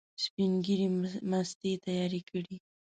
سپین ږیري مستې تیارې کړې.